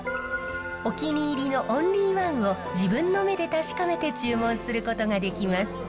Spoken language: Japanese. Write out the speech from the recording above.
お気に入りのオンリーワンを自分の目で確かめて注文することができます。